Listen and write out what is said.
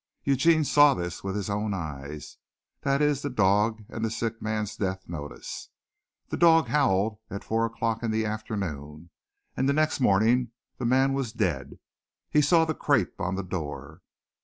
Eugene saw this with his own eyes, that is, the dog and the sick man's death notice. The dog howled at four o'clock in the afternoon and the next morning the man was dead. He saw the crape on the door.